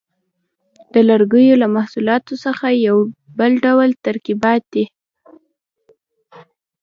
د لرګیو له محصولاتو څخه یو بل ډول ترکیبات دي.